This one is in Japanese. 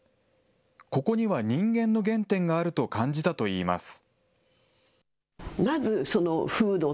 ここには人間の原点があると感じたといいます。